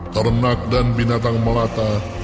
ternak dan binatang melata